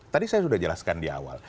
tadi saya sudah jelaskan di awal